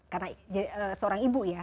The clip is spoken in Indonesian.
karena seorang ibu ya